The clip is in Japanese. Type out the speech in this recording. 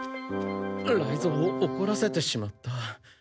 雷蔵をおこらせてしまった。